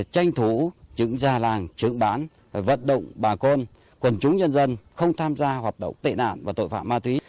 tranh thủ trưởng gia làng trưởng bán vận động bà con quần chúng nhân dân không tham gia hoạt động tệ nạn và tội phạm ma túy